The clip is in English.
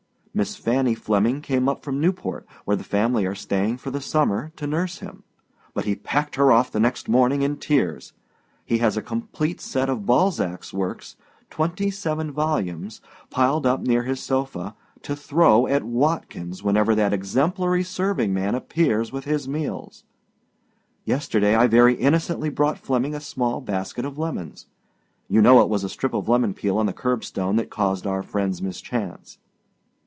Miss Fanny Flemming came up from Newport, where the family are staying for the summer, to nurse him; but he packed her off the next morning in tears. He has a complete set of Balzacâs works, twenty seven volumes, piled up near his sofa, to throw at Watkins whenever that exemplary serving man appears with his meals. Yesterday I very innocently brought Flemming a small basket of lemons. You know it was a strip of lemon peel on the curbstone that caused our friendâs mischance.